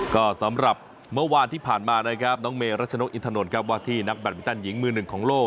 ก็สำหรับเมื่อวานที่ผ่านมานะครับน้องเมรัชนกอินทนนท์ครับว่าที่นักแบตมินตันหญิงมือหนึ่งของโลก